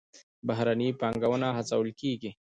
بهرنۍ پانګونه هڅول کیږي